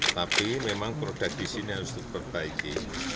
tapi memang produk di sini harus diperbaiki